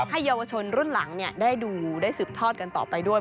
เยาวชนรุ่นหลังได้ดูได้สืบทอดกันต่อไปด้วย